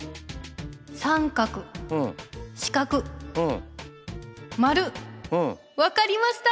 三角四角丸分かりました！